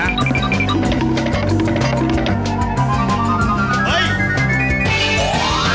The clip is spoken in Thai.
เฮ้ย